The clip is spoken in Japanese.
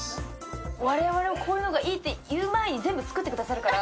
我々こういうのがいいって言う前に全部作ってくださるから。